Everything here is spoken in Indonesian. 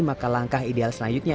maka langkah ideal senayutnya